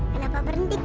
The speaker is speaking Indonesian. kenapa berhenti kak